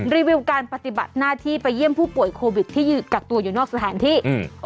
รีวิวการปฏิบัติหน้าที่ไปเยี่ยมผู้ป่วยโควิดที่กักตัวอยู่นอกสถานที่อืม